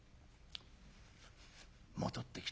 戻ってきた